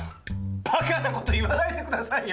バカな事言わないで下さいよ。